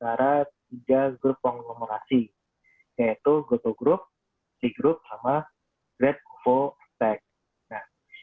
dari ketiga grup penglomerasi yaitu gotoh group c group dan grab ovo dan emtek